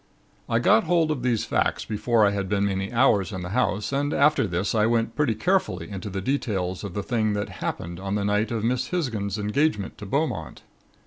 "I got hold of these facts before I had been many hours in the house and after this I went pretty carefully into the details of the thing that happened on the night of Miss Hisgins's engagement to Beaumont.